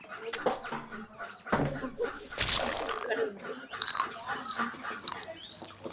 உலோகங்கள் உள்ளிட்ட எல்லாப் பொருள்களிலும் ஊடுருவ வல்லவை.